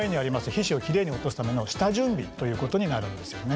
皮脂をきれいに落とすための下準備ということになるんですよね。